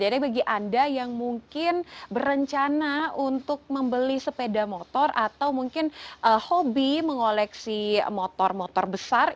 jadi bagi anda yang mungkin berencana untuk membeli sepeda motor atau mungkin hobi mengoleksi motor motor besar